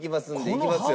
いきますよ。